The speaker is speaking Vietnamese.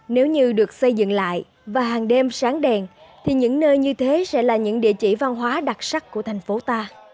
nếu như được xây dựng lại và hàng đêm sáng đèn thì những nơi như thế sẽ là những địa chỉ văn hóa đặc sắc của thành phố ta